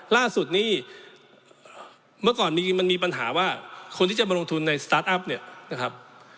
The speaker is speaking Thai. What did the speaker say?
ล่าสุดนี้เมื่อก่อนนี้มันมีปัญหาว่าคนที่จะมาลงทุนในสตาร์ทอัพเนี่ยนะครับ